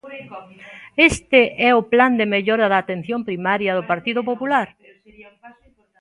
¿Este é o plan de mellora da atención primaria do Partido Popular?